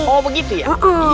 oh begitu ya